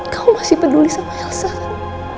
kau masih peduli sama elsa kan